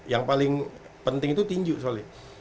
yang paling penting itu tinju soalnya